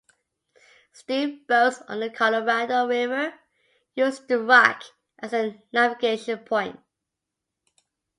Steam boats on the Colorado River used the rock as a navigation point.